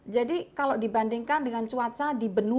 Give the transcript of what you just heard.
jadi kalau dibandingkan dengan cuaca di benua itu sangat berpengaruh